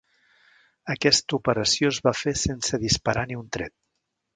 Aquesta operació es va fer sense disparar ni un tret.